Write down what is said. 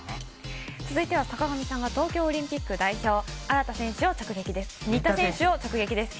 続いては坂上さんが東京オリンピック代表、新田選手を直撃です。